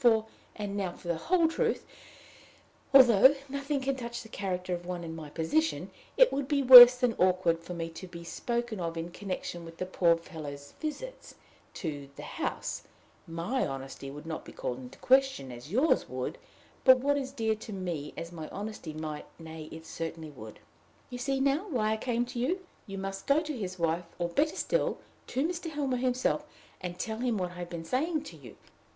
For and now for the whole truth although nothing can touch the character of one in my position, it would be worse than awkward for me to be spoken of in connection with the poor fellow's visits to the house: my honesty would not be called in question as yours would, but what is dear to me as my honesty might nay, it certainly would. You see now why I came to you! You must go to his wife, or, better still, to Mr. Helmer himself, and tell him what I have been saying to you.